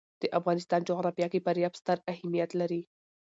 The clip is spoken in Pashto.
د افغانستان جغرافیه کې فاریاب ستر اهمیت لري.